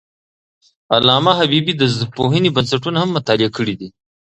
علامه حبیبي د ژبپوهنې بنسټونه هم مطالعه کړي دي.